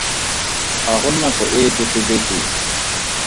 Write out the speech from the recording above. Ga go nako e e totobetseng.